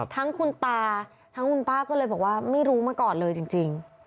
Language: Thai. ทั้งคุณตาทั้งคุณป้าก็เลยบอกว่าไม่รู้มาก่อนเลยจริง